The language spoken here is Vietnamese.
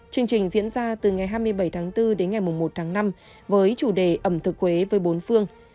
chương trình diễn ra từ ngày hai mươi bảy tháng bốn đến ngày một tháng năm với chủ đề ẩm thực huế với bốn phương